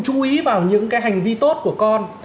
chú ý vào những cái hành vi tốt của con